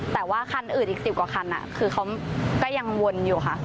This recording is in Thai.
แต่ว่าคันอื่นอีก๑๐กว่าคันคือเขาก็ยังวนอยู่ค่ะ